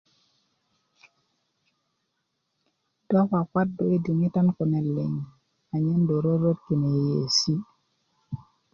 do kwakwadu idiŋitan kune liŋ anyen do röruöt kine yeiyesi